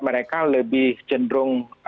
mereka lebih cenderung